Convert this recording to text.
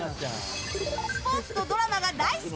スポーツとドラマが大好き！